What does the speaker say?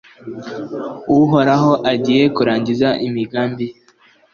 Uhoraho agiye kurangiza imigambi ye